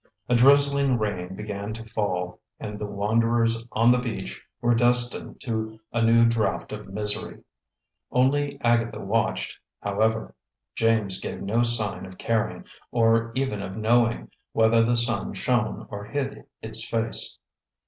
A drizzling rain began to fall, and the wanderers on the beach were destined to a new draft of misery. Only Agatha watched, however; James gave no sign of caring, or even of knowing, whether the sun shone or hid its face.